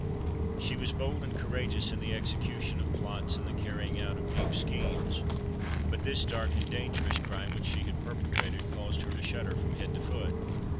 She was bold and courageous in the execution of plots and the carrying out of deep schemes;—but this dark and dangerous crime which she had just perpetrated, caused her to shudder from head to foot!